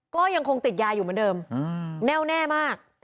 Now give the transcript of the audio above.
ก็ยังคงติดยาอยู่เหมือนเดิมแน่วแน่มาก